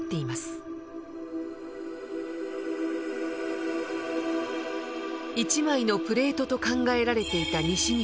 １枚のプレートと考えられていた西日本。